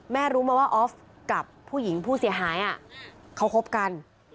รู้มาว่าออฟกับผู้หญิงผู้เสียหายเขาคบกัน